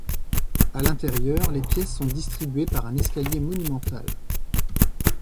À l'intérieur, les pièces sont distribuées par un escalier monumental.